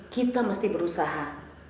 kita harus berusaha